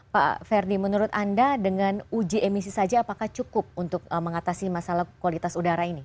pak ferdi menurut anda dengan uji emisi saja apakah cukup untuk mengatasi masalah kualitas udara ini